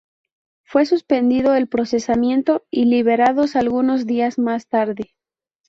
Fue suspendido el procesamiento y liberados algunos días más tarde.